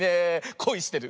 こいしてる。